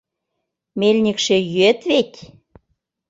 — Мельникше йӱэт веть.